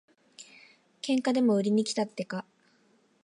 喧嘩でも売りにきたってか。